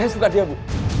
saya suka dia bu